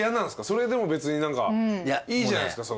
それでも別に何かいいじゃないですか。